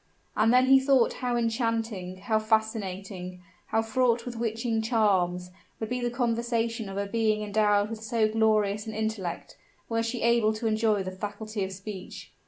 And then he thought how enchanting, how fascinating, how fraught with witching charms, would be the conversation of a being endowed with so glorious an intellect, were she able to enjoy the faculty of speech.